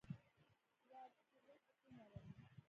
• واده د زړه سکون راولي.